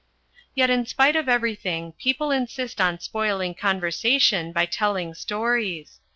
Yet in spite of everything, people insist on spoiling conversation by telling stories.